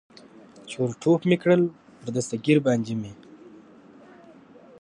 چې ور ټوپ مې کړل، پر دستګیر باندې مې.